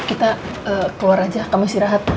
kita keluar aja kami istirahat